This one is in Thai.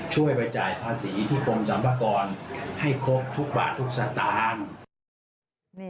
ช่วยไปจ่ายภาษีที่กรมสรรพากรให้ครบทุกบาททุกสตางค์